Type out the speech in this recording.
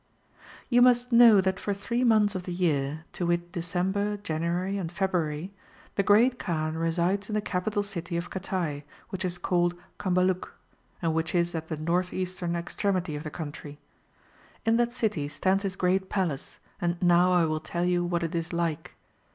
You must know that for three months of the year, to wit December, January, and February, the Great Kaan resides in the capital city of Cathay, which is called Cambaluc, [and which is at the north eastern extremity of the country]. In that city stands his great Palace, and now I will tell you what it is like.